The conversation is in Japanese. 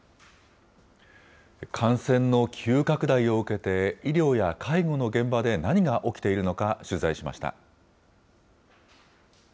感染の急拡大を受けて、医療や介護の現場で何が起きているのか、取材しました。